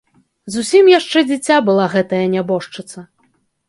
Зусім яшчэ дзіця была гэтая нябожчыца.